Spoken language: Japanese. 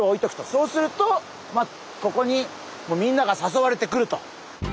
そうするとまあここにみんなが誘われてくると。